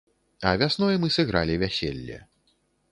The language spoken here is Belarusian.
А вясной мы сыгралі вяселле.